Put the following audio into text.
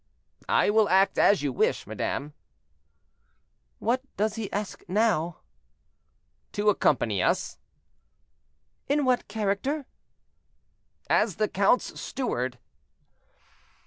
"I will act as you wish, madame." "What does he ask now?" "To accompany us." "In what character?" "As the count's steward."